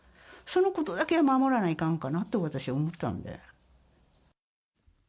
そのことだけは守らないかんかなと、私、思ったんで。